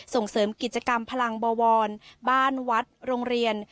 ส่งเสริมกิจกรรมพลังบวรบ้านวัดโรงเรียน